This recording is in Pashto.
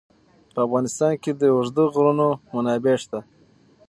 په افغانستان کې د اوږده غرونه منابع شته.